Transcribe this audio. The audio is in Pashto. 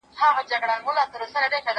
ته په څه منډي وهې موړ يې له ځانه